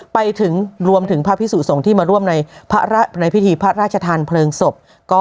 ไปถึงรวมถึงพระพิสุสงฆ์ที่มาร่วมในพิธีพระราชทานเพลิงศพ